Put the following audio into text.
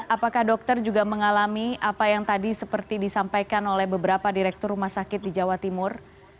apakah dokter juga mengalami apa yang tadi seperti disampaikan oleh beberapa direktur rumah sakit di jawa timur